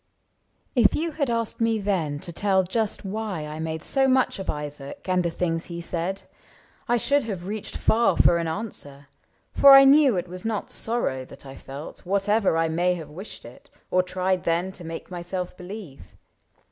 If you had asked me then to tell just why I made so much of Isaac and the things He said, I should have reached far for an answer ; For I knew it was not sorrow that I felt. Whatever I may have wished it, or tried then To make myself believe.